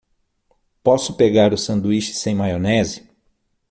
Posso pegar o sanduíche sem maionese?